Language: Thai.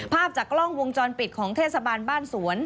ภาพจากกล้องวงจรปิดของเทศบาลบ้านสวน